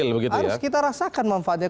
harus kita rasakan manfaatnya